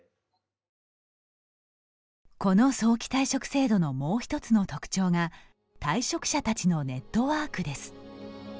この早期退職制度のもう一つの特徴が退職者たちのネットワークです。